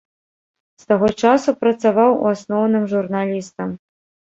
З таго часу працаваў у асноўным журналістам.